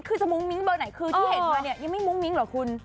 คือจะมุ้งมิ้งเบอร์ไหนคือที่เห็นมาเนี่ยยังไม่มุ้งมิ้งเหรอคุณ